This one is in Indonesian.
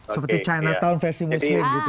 seperti chinatown versi muslim gitu